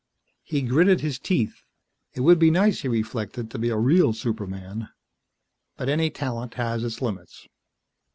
He gritted his teeth. It would be nice, he reflected, to be a real superman. But any talent has its limits.